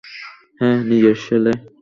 হ্যাঁ, নিজের সেলে।